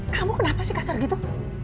kamu kenapa sih kasar gitu